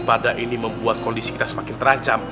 pada ini membuat kondisi kita semakin terancam